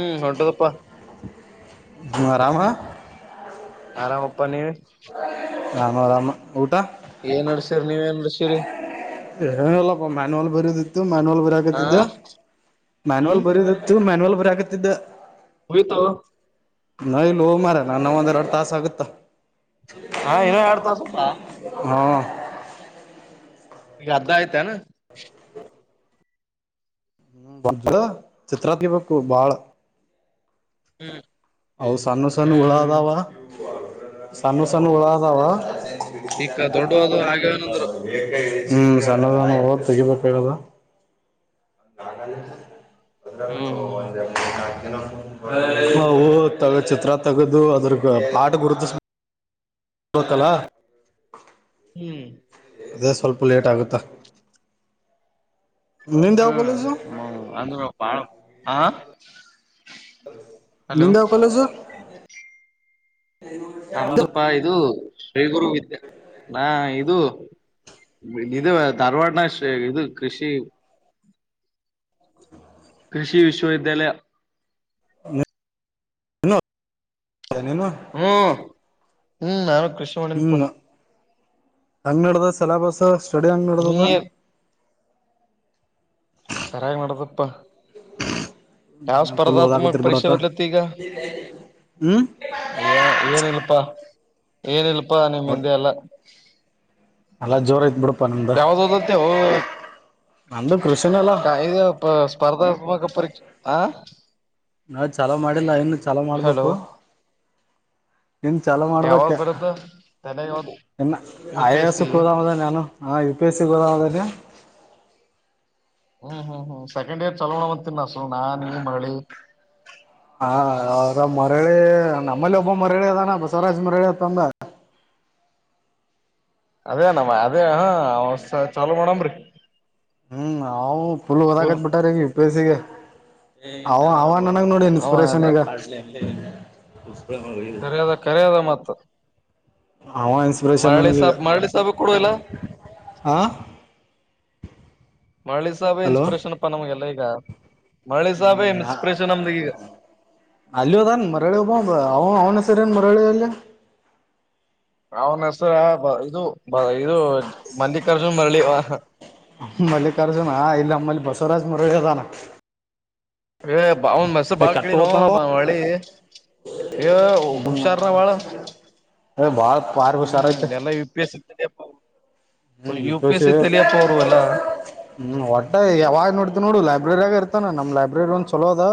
ಹ್ಮ್ ದೊಡ್ಡದಪ್ಪಾ ಆರಾಮ ಆರಾಮಪ್ಪ ನೀ ರಾಮ ರಾಮ ಊಟ ಏನ್ ನಡ್ಸಿರಿ ನೀವ್ ಏನ್ ನಡ್ಸಿರಿ ಏನಲ್ಲಪ್ಪ ಮ್ಯನ್ುವಲ್ ಬರಯದಿತ್ತು ಮ್ಯಾನ್ಯುವಲ್ ಹ ಬರಕತ್ತಿದ್ದ ಮ್ಯನ್ಯಲ್ ಹ್ಮ್ ಬರದಿತ್ತು ಇ ಮ್ಯಾನ್ುವಲ್ ಬರ ಆಕತಿದ್ದ ಹತವಾ ನ ಇಲ್ಲಿ ಹೋ ಮಾರ ನಾ ನ ಒಂದ ಎರಡು ತಾಸ ಆಗುತ್ತಾ ಹಾ ಇನ್ನ ಎರಡ್ ತಾಸ ಆಯ್ತಾ ಹಾ ಈಗ ಅರ್ಧ ಆಯ್ತನಾ ಚಿತ್ರತ್ ಬು ಬಾಳ ಹ್ಮ್ ಹೌ ಸಾನು ಸಾನು ಹ್ಮ್ ಉಳಾದಾವ ಸಾನು ಸಾನು ಉಳಾದಾವ ಈಕ್ಕ ದೊಡ್ಡವದು ಹಾಗ್ಯವನಂದ್ರು ಹ್ಮ್ ಸಣ್ಣದ ತೆಗಿಬೇಕ ಹೇಳಲ್ಲ ನಾಗಲ್ಯಂಡ್ ಅದ್ರ ಹ್ಮ್ ಒಂದ ಎ ನಾಲ್ಕಿನ ಹ ತಗ್ ಚಿತ್ರ ತಗದು ಅದ್ರ ಪಾಠ ಗುರುತ ಹತ್ತಲ್ಲಾ ಹ್ಮ್ ಅದೇ ಸ್ವಲ್ಪ ಲೇಟ್ ಆಗುತ್ತಾ ನಿಂದ ಯಾವ ಕಾಲೇಜು ಹ್ಮ ಅಂದಾಳ ಹ ನಿಂದ ಕಾಲೇಜು ನಮಂದಪ್ಪಾ ಇದು ಶ್ರೀಗುರುಿದ್ಯಾ ನಾ ಇದು ಇದು ತರ್ವಾಡನ ಇದು ಕೃಷಿ ಕೃಷಿ ವಿಶ್ವಿದ್ಯಾಲಯ [inaudible] ಹ್ಮ್ ಹ್ಮ್ ನರು ಖುಷಿ ಹ್ಞೂ ಹಂಗೆ ನಡ್ದ ಸಿಲಬಸ್ ಸ್ಟಡಿ ಹಂಗೆ ನೀ ನಡ್ದದ ಸರಿಾಗಿ ನಡದಪ್ಪ ಯಾವ ಫುಲ್ ಸ್ಪರ್ಧಾತ್ಮಕ ಓದಾಕತಿರ್ ಪರೀಕ್ಷೆ ಬಿಡಟ ಬರಲತ್ತ ಈಗ ಹ್ಮ್ ಏ ಏನಲ್ಪಾ ಏನಲ್ಪಾ ನಿಮ್ಮ ಹಿಂದೆ ಎಲ್ಲ ಅಲ್ಲ ಜೋರ ಐತ್ ಬಿು ಯಾವದ [unintelligible] ನಂದು ಕೃಷಿನ ಅಲ್ಲ ಇ ಸ್ಪರ್ಧಾತ್ಮಕ ಪರೀಕ್ಷ ಹ ನಾವು ಚಲೋ ಮಾಡಿಲ್ಲ ಇನ್ನುೂ ಚಲೋ ಹಲೋ ಮಾಡ್ಬೇಕು ಇನ್ ಚಲೋ ಯಾವಾಗ ಮಾಡ್ಬೇಕೆ ಬರುತ್ತ ತಲೆ ಯಾವ್ದ ಇನ್ನು ಯು ಪಿ ಎಸ್ ಸಿ ಆಯಾಸಕ್ ಹೋದಾಮದ ನಾನು ಹಾ ಇದು ಪೇ ಸಿಿಗೆ ಗೋದ ಅದ ರೀ ಹ್ಮ್ ಹ್ಮ್ ಹ್ಮ್ ಸೆಕಂಡ್ ಇಯರ್ ಚೋಣ ಅಂತೀನ್ಿಸ ನಾ ನೀ ಮಳಿ ಹಾ ಅವದ ಮರಳಿ ನಮ್ಮಲ್ಲಿ ಒಬ್ಬ ಮರಳಿ ಅದಾನ ಬಸವರಾಜ್ ಮರಳಿ ಅತ್ತಂದ ಅದೇ ನಮ್ಮ ಅದೇ ಹ ಚಲೋ ಮಾಡಮ್ರಿ ಹ್ಮ್ ಅವು ಫುಲ್ ಓದಕತ್ ಬಿಟಾರ ಈಗ್ ಯು ಪಿ ಏ ಸ್ಸಿ ಗ್ ಅವ ಅವ ನನಗ್ ನೋಡಿ ಅವ ಇನ್ಸ್ಪಿರೇಷನ್ ಎಲ್ಲ ಆಗ್ಯಾರ್ ಖರೆ ಅದಾ ಖರೆ ಅದಾ ಮಾತು. ಅವ ಇನ್ಸ್ಪಿರೇಷನ್ ನನಗ ಈಗ. ಸಾಬ್ ಮರಳಿ ಸಾಬ ಕೊಡುವಲ್ಲ ಹಾಂ ಮರಳಿ ಸಾಹಬೇ ಇನ್ಸ್ಪಿರೇಷನ್ ಅಪ್ಪಾ ನಮ್ಗೆಲ್ಲ ಈಗ ಮರಳಿ ಸಾಹಬೇ ಹ್ಮ್ ಇನ್ಸ್ಪಿರೇಷನ್ ನಮ್ದ ಈಗ. ಅಲ್ಲೂ ಅದಾನ್ ಮರಳ ಒಬ್ಬವ್ ಅವ ಅವ್ನ ಹೆಸರಿ ಏನ್ ಮರಳಿ [unintelligible] ಅವನ್ ಹೆಸರ ಇದು ಇದು ಮಲ್ಲಿಕಾರ್ಜುನ್ ಮರಳಿ ಅವ. ಮಲ್ಲಿಕಾರ್ಜುನ ಇಲ್ಲಿ ನಮ್ಮಲ್ಲಿ ಬಸವರಾಜ್ ಮರಳಿ ಅದಾನ್. ಏ ಯಪ್ಪಾ ಅವ್ನ ಹೆಸರ ಏ ಭಾಳ ಕಟ್ಟ ಕೇಳಿನೋ ಹೋತಾನ ಮರಳಿ. ಏ ಹುಷಾರ ಹರಾ ಭಾಳ ಏ ಬಾಳ ಪಾರ್ ಹುಷಾರ ಹ್ಮ್ ಐತೆ ಎಲ್ಲ ಯು ಪಿ ಎಸ್ಸಿ. ಹ್ಮ್ ಯು ಪಿ ವಿಪೇಶ್ ಎಸ್ಸಿ ತಲಿಯಪ್ಪ ಅವ್ರು ಏಲ್ಲಾ ಹ್ಮ್ ವಟ್ಟ ಯಾವಾಗ್ ನೋಡ್ತಿ ನೋಡು ಲೈಬ್ರರ್ಯಾಗ್ ಇರ್ತಾನ ನಮ್ ಲೈಬ್ರೆರಿ ಒಂದ ಚಲೋ ಅದಾ.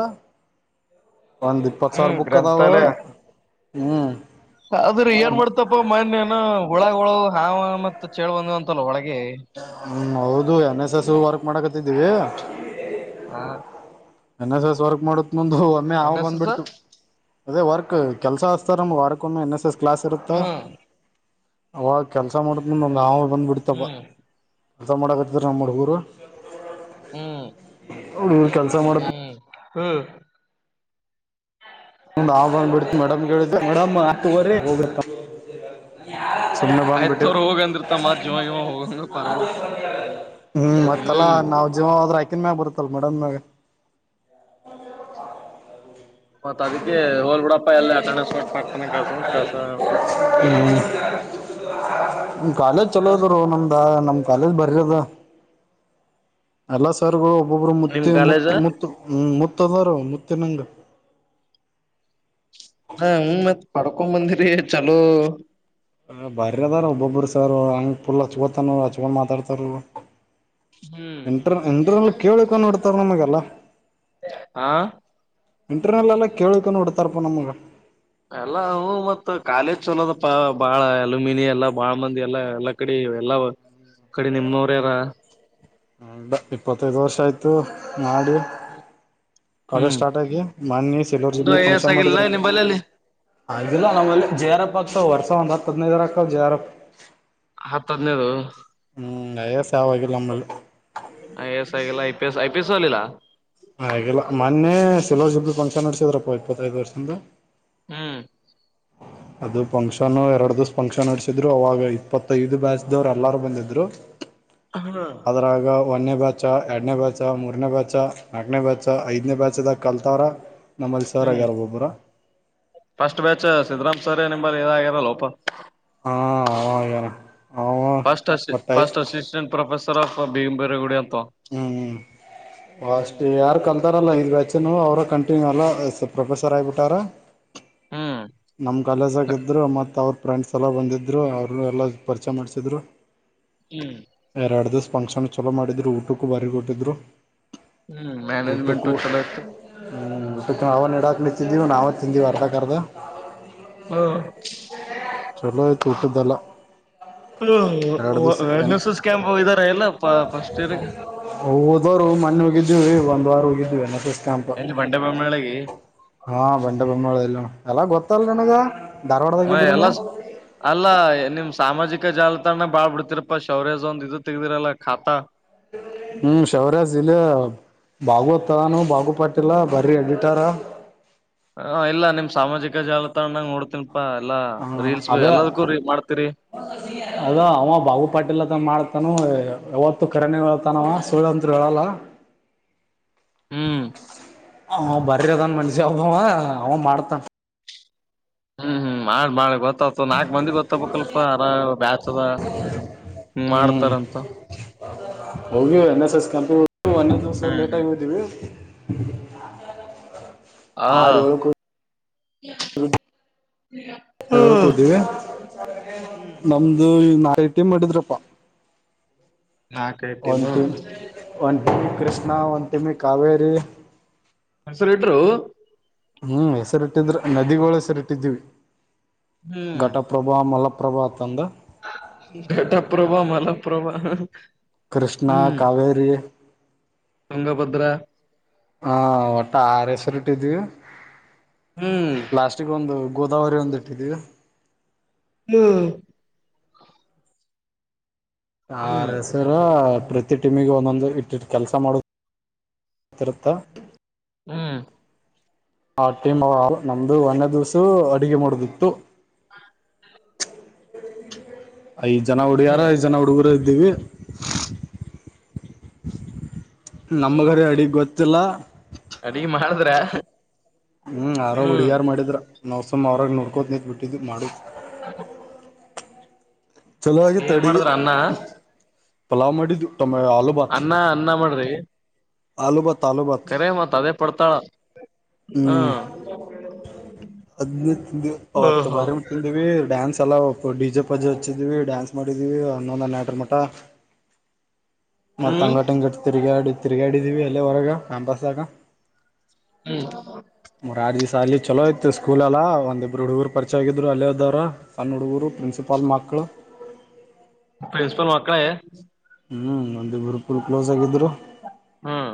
ಒಂದ್ ಇಪ್ಪತ್ ಸಾವಿರ ಹ್ಮ್ ಬುಕ್ ಅದಾವ ಗ್ರಂಥಾಲಯ ಹ್ಮ್. ಅದ್ರೀ ಏನ್ ಮಾಡ್ತಪ್ಪ ಮನ್ಯ ಏನೋ ಹುಳಗೋಳ ಹಾವ ಮತ್ತ ಚೇಳ ಬಂದದ ಅಂತಲ್ಲ ಒಳಗೆ ಹ್ಮ್ ಹೌದು ಎನ್ ಎಸ್ ಎಸ್ ವರ್ಕ್ ಮಾಡಕತ್ತಿದ್ದೀವಿ. ಹಾ ಎನ್ ಎಸ್ ಎಸ್ ವರ್ಕ್ ಮಾಡುತ್ ಮುಂದ ಒಮ್ಮೆ ಹಾವ ಎನ್ ಎಸ್ ಎಸ್ ಬಂದ್ಬಿಡ್ತು. ಅದೇ ವರ್ಕ್ ಕೆಲಸ ಹಚ್ಚ್ತಾರ್ ನಮ್ಗ ವಾರಕ್ಕೊಮ್ಮೆ ಎನ್ ಎಸ್ ಎಸ್ ಕ್ಲಾಸ್ ಇರುತ್ತ ಹ್ಮ್ ಅವಾಗ ಕೆಲ್ಸ ಮಾಡೊತ್ ಮುಂದ್ ಒಂದ್ ಹಾವ ಬಂದ್ಬಿಡ್ತಪ್ಪ. ಹ್ಮ್ ಕೆಲ್ಸಾ ಮಾಡಾಕತ್ತಿದ್ರ ನಮ್ಮ ಹಡುಗುರು ಹ್ಮ್ ಅವ್ರ ಕೆಲ್ಸ ಮಾಡೊತ್ ಹ್ಮ್ ಹ್ಮ್ ಮುಂದ ಹಾವ ಬಂಡ್ಬಿಡ್ತ ಮೇಡಮ್ಗ ಹೇಳಿದ್ವಿ ಮೇಡಂ ಆತ್ ತೊಗೊರಿ ಹೋಗ್ರಿ ಸುಮ್ಮ್ನೆ ಆಯ್ತ್ ಬಂದ್ಬಿಟ್ಟೆವ ತೋರ್ ಹೋಗಂದಿರ್ತ ಮತ್ ಜೀವ ಗಿವ ಹೋಗಂಗ ಪಾರ್ಗಳು ಹ್ಮ್ ಮತ್ತಲ್ಲ ಹ್ಮ್ ನಾವ ಜೀವ ಹೋದ್ರ ಅಕಿನ್ ಮ್ಯಾಗ್ ಬರ್ತ್ತಲ್ ವಾರ್ಡನ್ ಮ್ಯಾಗ. ಮತ್ ಅದಿಕೆ ಹೋಲ್ ಬಿಡಪ್ಪಾ ಎಲ್ಲ ಅಟೆಂಡೆನ್ಸ್ ಕೊಟ್ಟ ಪಟ್ಟಣ ಕಳ್ಸಮ ಅಂತ್ ಖಲ್ಸ್ಯಾಳ್ ಏನೋ ಹ್ಮ್ ಕಾಲೇಜ್ ಚಲೋದರೋ ನಮ್ದ ನಮ್ ಕಾಲೇಜ್ ಭಾರಿ ಅದಾ. ಎಲ್ಲ ಸರ್ಗಳು ಒಬ್ಬೊಬ್ರು ನಿಮ್ ಮುತ್ತಿ ಕಾಲೇಜ್ ಮುತ್ತ ಮುತ್ತ ಹ್ಮ್ ಮುತ್ತ ಆದಾರೂ ಮುತ್ತಿನಂಗ ಹಾ ಹ್ಮ ಮತ್ ಪಡ್ಕೊ ಬಂದಿರಿ ಚಲೋ ಬಾರಿ ಅದಾರ ಒಬ್ಬೊಬ್ರು ಸರ್ ಹಂಗ ಫುಲ್ ಹಚ್ಕೊತಾನ ಹಚ್ಕೊಂಡ ಮಾತಾಡ್ತಾರೂ. ಹ್ಮ್ ಇಂಟ್ರ ಇಂಟ್ರನಲ್ಲಿ ಕೇಳಿಕ ನೋಡ್ತಾರ ನಮಗೆಲ್ಲ. ಆ ಇಂಟರ್ನಲ್ ಎಲ್ಲ ಕೇಳ್ಕೊಂಡ ಇಡ್ತಾರಪ್ಪ ನಮ್ಗ ಎಲ್ಲಾ ಮತ್ತತ್ ಕಾಲೇಜ್ ಚಲೋದಪ್ಪ ಬಾಳ ಅಲ್ಯುಮಿನಿ ಎಲ್ಲಾ ಬಾಳ ಮಂದಿ ಎಲ್ಲ ಎಲ್ಲ ಕಡೆ ಎಲ್ಲ ಕಡೆ ನಿಮ್ಮ್ವರ ಯಾರ ಇಪ್ಪತ್ತದು ವರ್ಷ ಆಯ್ತು ಮಾಡಿ ಕಾಲೇಜ್ ಹ್ಮ್ ಸ್ಟಾರ್ಟ್ ಆಗಿ ಮಣಿ ಸಿಲ್ರ್ ಒಂದು ಜಿಬ್ಲಿ ಐ ಎ ಎಸ್ ಫಂಕ್ಷನ್ ಆಗಿಲ್ಲ ಮಾಡಿದ್ರಪ್ಪ ನಿಂಬಲ್ಲಿ ಅಲ್ಲಿ ಆಿಲ್ಲ ನಾವ್ ಅಲ್ಲಿ ಜೆರಪ್ಪಪ್ ಹಕ್ತವ್ರ್ಷ ಒ್ ಹದಿನೈದರಾಕ್ ಜರಪ್ಪಪ್ [unintelligible] ಹತ್ತ ಹದನೇದು ಹ್ಮ್ ಅಯ ಸಾವವಾಗಿಲ್ಲ ನಮ್ಮಲ್ಲಿ ಐ ಎಸ್ ಆಗಿಲ್ಲ I P S I P S ಅಲ್ಲಿಲ್ಲ ಹಲ್ಲ ಮೊನ್ನೆ ಸಿಲ್ವರ್ ಜುಬ್ಲ್ ಫಂಕ್ಷನ್ ನಡೆಸಿದ್ರಪ್ಪ ಇಪ್ಪತ್ತೈದು ವರ್ಷದ ಹ್ಮ್ ಅದು ಫಂಕ್ಷನ್ ಎರಡು ದಿವಸ ಫಂಕ್ಷನ್ ನಡಸಿದ್ರು ಅವಾಗ ಇಪ್ಪತ್ತೈದು ಬ್ಯಾಚ್ ದವ್ರು ಎಲ್ಲಾರು ಬಂದಿದ್ರು ಹಾ ರ ಒಂದನೇ ಬ್ಯಾಚ ಎರಡ್ನೇ ಬ್ಯಾಚ ಮೂರನೇ ಬ್ಯಾಚ ನಾಕನೇ ಬ್ಯಾಚ ಐದನೇ ಬ್ಯಾಚ್ದಾಗ ಕಲ್ತಾವ್ರ ನಮ್ಮಲ್ಲಿ ಸರ್ಗ ಯ್ಯಾರು ಒಬ್ಬರಾ ಫಸ್ಟ್ ಬ್ಯಾಚ್ ಸಿದ್ದರಾಮ್ ಸವರೇ ನಿಂಬಲ್ಲಿ ಇದಾಗಿರಲ್ಲ ಓಪನ್ ಹಾ first first assistant professor of ಬಿಗಂಬೇರಗುಡಿ ಅಂತ ಹ್ಮ್ ಅಷ್ಟೇ ಯಾರು ಕಲ್ತಾರಲ್ಲ ಇ ಅಚ್ಚೆನು ಅವ್ರ ಕಂಟಿನ್ಯೂ ಅಲ್ಲ ಎ ಪ್ರೊಫೆಸರ್ ಆಗಿಬಿಟ್ಟಾರ ಹ್ಮ್ ನಮ್ಮ ಕಾಲೇಜ್ ಆಗಿದ್ರು ಮತ್ತು ಅವ್ರ ಫ್ರೆಂಡ್ಸ್ ಎಲ್ಲ ಬಂದಿದ್ರು ಅವರು ಎಲ್ಲ ಪರಿಚಯ ಮಾಡಿಸಿದ್ರು ಹ್ಮ್. ಎರಡ್ ದಿವಸ್ ಫಂಕ್ಷನ್ ಚಲೋ ಮಾಡಿದ್ರು ಊಟಕ್ಕೂ ಬಾರಿ ಕೊಟ್ಟಿದ್ರು. ಹ್ಮ್ ಮ್ಯಾನೇಜ್ಮೆಂಟು ಊಟುಕೂ. ಚಲೋ ಇತ್ತು ಹ್ಮ್ ಊಟಕ್ ನಾವ ನೆಡಾಕ್ ನಿಂತೀದಿವಿ ನಾವ ತಿಂದಿದಿವಿ ಅರ್ಧುಕರ್ಧಾ. ಹ್ಮ. ಚಲೋ ಆಯ್ತು ಊಟದ್ದೆಲ್ಲ. ಹ ಎರಡು ದಿವ್ಸ ಎನ್ ಎಸ್ ಎಸ್ ಕ್ಯಾಂಪ್ ಹೊಗಿದಾರ ಎಲ್ಲ ಫಸ್ಟ್ ಇಯರ್ಗೆ. ಹ ಹೋದ್ವಾರು ಮನ್ನೆ ಹೋಗಿದ್ವಿ ಒಂದ್ ವಾರ ಹೋಗಿದ್ [unintelligible] ಎಲ್ಲಿ ಬಂಡೆ ಬೊಮ್ಮ ಮಳಗೆ. ಹಾ ಬಂಡೆ ಬೊಮ್ಮಾಳ ಇಲ್ ಅಣ್ಣ ಎಲ್ಲ ಗೊತ್ತಲ್ ನಿನಗ ಧಾರ್ವಾಡ್. ಮ ಎಲ್ಲಾಸ್. ಅಲ್ಲ ನಿಮ್ ಸಾಮಾಜಿಕ ಜಾಲತಾಣ ಬಾಳ್ ಬಿಡ್ತಿರಪ್ಪಾ ಶೌರ್ಯ ಒಂದ ಇದು ತೆಗ್ದಿರಲ್ಲಾ ಖಾತಾ. ಹ್ಮ್ ಶೌರ್ಯ ಜಿಲ್ಲ ಭಾಗವತಾನ ಬಾಗು ಪಾಟ್ಟಿಲ್ಲ ಬರೀ ಎಡಿಟರ. ಹ ಇಲ್ಲ ನಿಮ್ ಸಾಮಾಜಿಕ ಜಾಲತಾಣಾಗ ನೋಡ್ತಿನಿ ಪಾ ಎಲ್ಲಾ ರೀಲ್ಸ್ ಅದೇ ಎಲ್ಲದಕ್ಕೂ ಮಾಡ್ತೀರಿ. [inaudible] ಅದ ಅವ ಬಾಬು ಪಾಟೀಲ್ ಅದ ಮಾಡ್ತಾನು ಯಾವತ್ತು ಕರೆನೆ ಹೆಳ್ತಾನವ ಸುಳ್ತ್ರು ಹೇಳಲ್ಲ. [unintelligible] ಹ್ಮ್ ಆ ಬರರದನ್ ಮನ್ಸಿ ಅವಬ ಅವ ಮಾಡ್ತನ್ ಹ್ಮ್ ಹ್ಮ್ ಮಾಡ್ ಮಾಡಿ ಗೊತ್ತತ ನಾಲ್ಕ್ ಮಂದಿ ಗೊತ್ತ ಬಲ್ಪ ದ ಹ್ಮ್ ಮಾಡ್ತಾರಂತ. ಹೋಗಿ ಎನ್ ಎಸ್ ಎಸ್ ಕಂಪ್ನಿ ಒಂದೆ ದಿವಸ್ ಹ್ಮ್ ಲೇಟಾಗಿದಿವಿ. [inaudible] ಹಾ. ಹೇಳ್ಕತೀವಿ ಹ್ಮ್ ನಮ್ದು ಈ ನಾಲ್ಟೀಮ್ ಮಾಡಿದ್ರಪ್ಪಾ. ನಾಲ್ಕ ಒಂದ್ ಟೀಮು. ಟೀಮ್ ಒಂದ್ ಡಿ ಕೃಷ್ಣ ಒಂದ್ ಟಿಮಿ ಕಾವೇರಿ. ಹನ್ಸುಲೆಟ್ರು ಹ್ಮ್ ಹೆಸರಿಟ್ಟಿದ್ರೆ ನದಿಗೂಳ್ ಹೆಸರಿಟ್ಟಿದೀವಿ ಹ್ಮ್ ಘಟಪ್ ಪ್ರಭಾ ಮಲಪ್ರಭಾ ತಂದ. ಗಟಪ್ರಭ ಮಲಪ್ರಭ. ಕೃಷ್ಣ ಕಾವೇರಿ. ತುಂಗಭದ್ರಾ. ಹ ಒಟ್ಟ ಆರ್ ಹೆಸರ್ ಇಟ್ಟಿದೀವಿ. ಹ್ಮ್. ಲಾಸ್ಟಿಗ್ ಒಂದು ಗೋದಾವರಿ ಒಂದ್ ಇಟ್ಟಿದೀವಿ. ಹ್ಮ ಹ್ಮ್ ಆರ್ ಎಸ್ ತರ ಪ್ರತಿ ಟೀಮಿಗೆ ಒಂದೊಂದು ಇಟ್ಟಿಟ್ಟ ಕೆಲಸ ಮಾಡೊದಿರುತ್ತ. ಹ್ಮ್ ಆ ಟೀಮ್ ನಮ್ದು ಒಂದೇ ದಿವ್ಸು ಅಡುಗೆ ಮಾಡೊದಿತ್ತು. ಐದ್ ಜನ ಹುಡ್ಗಿಯಾರ ಹ್ಮ್ ಐದ್ ಜನ ಹುಡುಗರ ಇದ್ದೀವಿ. ನಮ್ಗರಿ ಅಡಿಗ್ ಗೊತ್ತಿಲ್ಲ ಅಡ್ಗಿ ಮಾಡಿದ್ರ ಹ್ಮ್ ಆವ್ರೆ ಹ್ಮ್ ಹುಡುಗಿಯರ್ ಮಾಡಿದ್ರ ನಾವ್ ಸುಮ್ ಅವರಾಗ ನೋಡ್ಕೋತ ನಿಂತ್ ಬಿಟ್ಟಿದ್ದು ಮಾಡೊದ [inaudible] ಚಲೊ ಆಗಿತ್ ಏನ್ ಅಡಿಗೆ ಮಾಡಿದ್ರ ಅನ್ನ ಪಲಾವ್ ಮಾಡಿದ ಆಲು ಅನ್ನ ಅನ್ನ ಮಾಡ್ರಿ ಆಲೂಬ ಕರೆ ಮಾತ್ ಅದೇ ಪಡ್ತಾ ಹ್ಮ ಅದ್ನ್ ತಿಂದಿವಿ ಅವತ್ತು ಬಾರಿ ತಿಂದಿವಿ ಡ್ಯಾನ್ಸ್ ಎಲ್ಲ ಡಿಜೆ ಪಾಜೆ ಹಚ್ಚಿದಿವಿ ಡಾನ್ಸ್ ಮಾಡಿದೀವಿ ಅನ್ನೊಂದ್ ಆಟರ್ ಮಠ ಮತ್ತ ಹ್ಮ್ ಅಂಗಟ ಹಂಗ ತಿರ್ಗಾಡಿ ತಿರ್ಗಾಡಿದೀವಿ ಅಲ್ಲೇ ಹೊರಗ ಕ್ಯಾಂಪಸ್ದಾಗ ಹ್ಮ ಮೂರ ಆರ್ ದಿವ್ಸ ಅಲ್ಲಿ ಚಲೋಯ್ತ್ ಸ್ಕೂಲ್ಲ್ಲ ಒಂದಿಬ್ರು ಹುಡುಗರು ಪರಿಚಯಗಿದ್ರು ಅಲ್ಲೇದವರು. ಸಣ್ಣ ಹುಡುಗರು ಪ್ರಿನ್ಸಿಪಾಲ್ ಮಕ್ಕಳು ಪ್ರಿನ್ಸಿಪಾಲ್ ಮಕ್ಕಳ ಹ್ಮ ಒಂದಿಬ್ರು ಪುಲ್ ಕ್ಲೋಸಾಗ್ಗಿದ್ರು ಹ್ಮ್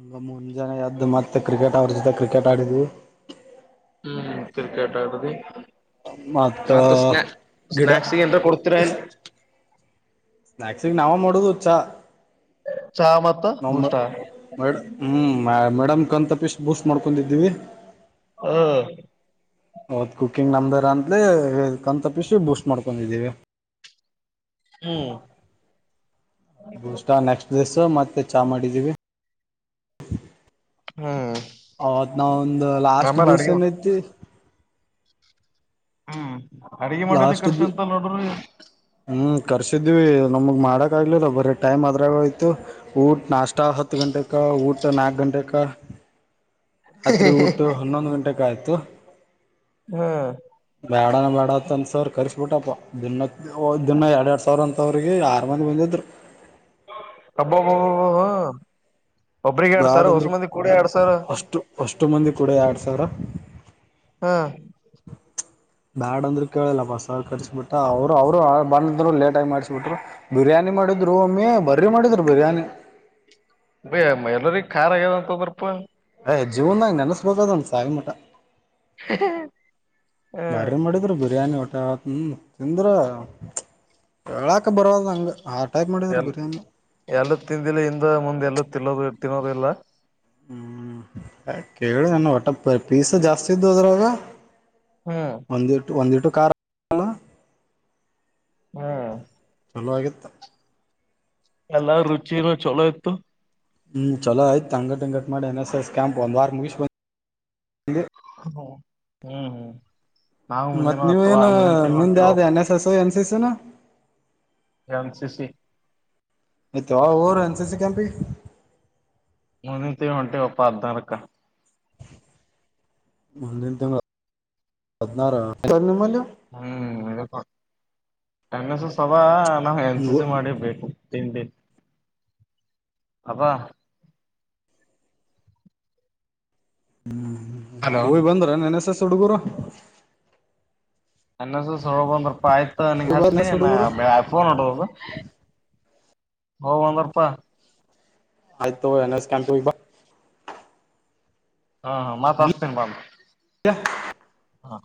ನಗ ಮುಂಜಾನೆ ಎದ್ದು ಮತ್ತೆ ಕ್ರಿಕೆಟ್ ಅವ್ರ ಜೊತೆ ಕ್ರಿಕೆಟ್ ಆಡಿದ್ವಿ ಹ್ಮ್ ಹ್ಮ್ ಕ್ರಿಕೆಟ್ ಆಡುದ್ರಿ ಮತ್ತ ಸ್ನಾ ಗಿಡ ಸ್ನಾಕ್ಸ್ಗೆ ಎಂತ ಕೊಡ್ತಿರಾಯ ಆಕ್ಚುಲಿ ನಾವ್ ಮಾಡೊದು ಚ್ಚಾ ಚಾ ಮತ್ ನಾವು ಮ ಮೇಡ ಹ್ಞೂ ಮ ಮೇಡಂಮ್ ಕಂತ ಪೀಸ್ ಬೂಸ್ಟ್ ಮಾಡ್ಕೊಂಡಿದ್ದೀವಿ ಹ್ಮ ಹೌದ ಕುಕ್ಕಿಂಗ್ ನಮ್ದರ್ ಅಂತಲ ಕಣ್ ತಪ್ಪಿಸಿ ಬೂಸ್ಟ್ ಮಾಡ್ಕೊಂಡಿದ್ದೀವಿ ಹ್ಮ್ ಬೂಷ್ಟ ನೆಕ್ಸ್ಟ್ ದಿಸ ಮತ್ತೆ ಚಾ ಮಾಡಿದ್ದೀವಿ ಹ್ಮ್ ಅವತ್ ನಾವ್ ಒಂದ್ ಲಾಸ್ಟ್ ದಿವ್ಸ ಏನ ಐತಿ ಹ್ಮ್ ಅಡಗೆ ಮಾಡಿದ್ರೆ ಲಾಸ್ಟ್ ಕರ್ಚ್ ಅಂತಲ್ ನೋಡ್ರಿ ಹ್ಮ್ ಕರ್ಸಿದೀವಿ ನಮಗ್ ಮಾಡಕ್ ಆಗ್ಲಿಲ್ಲ ಬರೀ ಟೈಮ್ ಅದ್ರಾಗ ಆಯ್ತು ಊಟ್ ನಾಷ್ಟ ಹತ್ತು ಗಂಟೆಕ ಊಟ ನಾಲ್ಕು ಗಂಟೆಕ [unintelligible] ರಾತ್ರಿ ಊಟ ಹ್ಮ ಹನ್ನೊಂದು ಗಂಟೆೆಗೆ ಆಯ್ತು ಹ್ಮ್ ಬೇಡ ಅಣ್ಣ ಬೇಡ ಹತ್ತೊಂದು ಸಾವಿರ ಕರೆಸ್ಬಿಟ್ಟಪ್ಪ ದಿನ ದಿನ ಎರಡು ಎರಡು ಸಾವಿರ ಅಂತವ್ರಿಗೆ ಆರು ಮಂದಿ ಬಂದಿದ್ರು ಹಬಬಬ ಹಾ ಒಬ್ರಿಗೆ ಎರಡು ಬ್ಯಾಡ ಸಾವಿರ ಅಂದ್ರು ಹೊಸಮಂದಿ ಕೂಡ ಎರಡು ಸಾವಿರ ಅಷ್ಟು ಅಷ್ಟು ಮಂದಿ ಕೂಡ ಎರಡ್ ಸಾವಿರ ಹಾ ಬ್ಯಾಡ್ ಅಂದ್ರರು ಕೇಳಿಲ್ಲಪ್ಪಸ್ ಕಟ್ಸಬಿಟ್ಟ ಅವ್ರು ಅವರು ಬಂದ್ರು ಲೇಟ ಆಾಗಿಿ ಮಾಡಿಸ್ಬಿಟ್ರು ಬಿರಿಯಾನಿ ಮಾಡರು ಒಮ್ಮೆ ಬರ್ರೀ ಮಾಡಿದರು ಬಿರಿಯಾನಿ ಬಯ ಎಲ್ಲರಿ ಖಾರ ಆಗ್ಯಾವ ಅಂತ ಬರಪಾ ಯ್ ಜೀವನಾಗ ನೆನೆಸ್ಬೇಕ ಅದಣ ಸಾಯಿ ಮಠ ಹ್ಮ್ ಬಾರಿ ಮಾಡಿದ್ರು ಬಿರಿಯಾನಿ ಊಟ ಹ್ಮ್ ತಿಂದ್ರೆ ಹೇಳಕ ಬರೋದು ಹಂಗೆ ಆ ಟೈಪ್ ಮಾಡಿದ್ರ ಬಿರಿಯಾನಿ ಯಾಡು ತಿಂದಿಲ್ಲ ಹಿಂದ್ ಮುಂದ [unintelligible] ಹ್ಮ್ ಕೇಳಿ ನನ್ನ ಒಟ್ಟ ಪೀಸ್ ಜಾಸ್ತಿ ಇದ್ದು ಹದ್ರಾಗ ಹ್ಮ ಒಂದಿಟ್ ಒಂದಿಟ್ಟು ಕಾರ್ ಹ್ಮ ಚಲೋ ಆಗತ್ತ ಎಲ್ಲು ರುಚಿನ ಚಲೋ ಇತ್ತು ಹ್ಮ್ ಚಲೋ ಆಯ್ತು ಅಂಗಟ್ಟ ಅಂಗಟ್ ಮಾಡಿ ಎನ್ ಎಸ್ ಎಸ್ ಕ್ಯಾಂಪ್ ಒಂದ ವಾರ ಮುಗಿಸಿ [unintelligible] [unintelligible] ಹ್ಮ್ ಹ್ಮ್ ನಾವು ಮುಂದಿನ ಮತ್ ನೀವ ಅಥವಾ ಏನು ಮುಂದಿನ ತಿಂಗಳು ನಿಂದ ಹೊಂಟೇವ ಯಾವ್ದ್ N S S N C C ನ ಎನ್ ಸಿ ಸಿ ಮತ್ತೆ ಯಾವಾಗ್ ಹೋಗೊರೂ ಎನ್ ಸಿ ಸಿ ಕ್ಯಾಂಪಿಗ್ ಮುಂದಿದ್ ತಿಂಗಳ ವಂಟಿವಪ ಹದಿನಾರುಕ ಮುಂದಿದ್ ತಿಂಗಳ ಹದಿನಾರುಕ [unintelligible] ಹ್ಮ್ [unintelligible] ಎನ್ ಎಸ್ ಎಸ್ ಸಭ ನಾವು ಎನ್ ಸಿ ಸಿ ಮಾಡಿ ಬೇಕು ತಿಂಡಿ ಆದ ಹ್ಮ್ ಹಲೋ ಹೋಗಿ ಬಂದ್ರ ಎನ್ ಎಸ್ ಎಸ್ ಹುಡುಗರು ಎನ್ ಎಸ್ ಎಸ್ ಹೋಗ್ಬಂದರ್ಪಾ ಆಯ್ತೊ ನಿಂಗ್ ಅಚ್ ಎನ್ ಲೀ ಎಸ್ ನಾ ಹುಡುಗರು [unintelligible] ಫೋನ್ ನೋಡು ಹೋಗು ಬಂದರು ಆಯ್ತು ತಗೋ ಎನ್ ಎಸ್ ಕ್ಯಾಂಪೀಗ್ ಬ ಹಾ ಹಾ ಮತ್ತ ಬಾ ಅಸ್ತೇನೆ ಬಂದು ಹ